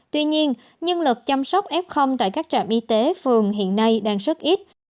tuy nhiên nhân lực chăm sóc f tại các trạm y tế phường hiện nay đang rất ít